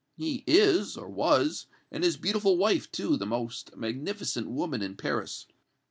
"He is, or was, and his beautiful wife, too, the most magnificent woman in Paris.